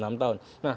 sampai enam tahun